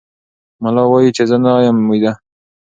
ملا وایي چې زه نه یم ویده.